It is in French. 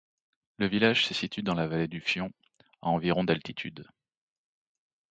Le village se situe dans la vallée du Fion, à environ d'altitude.